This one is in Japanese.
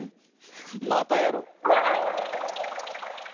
またやろう！